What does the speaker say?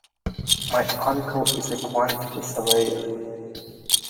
My uncle is a quantity surveyor